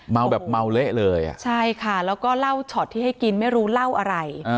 แบบเมาเละเลยอ่ะใช่ค่ะแล้วก็เล่าช็อตที่ให้กินไม่รู้เล่าอะไร